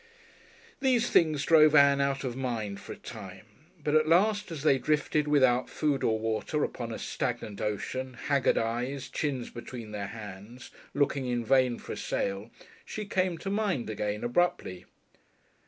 These things drove Ann out of mind for a time. But at last, as they drifted without food or water upon a stagnant ocean, haggard eyed, chins between their hands, looking in vain for a sail, she came to mind again abruptly.